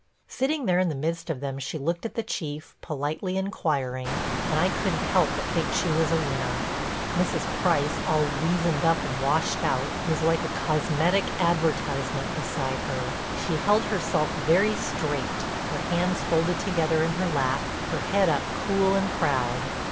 Sitting there in the midst of them, she looked at the Chief, politely inquiring, and I couldn't help but think she was a winner. Mrs. Price, all weazened up and washed out, was like a cosmetic advertisement beside her. She held herself very straight, her hands folded together in her lap, her head up cool and proud.